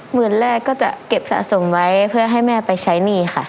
หมื่นแรกก็จะเก็บสะสมไว้เพื่อให้แม่ไปใช้หนี้ค่ะ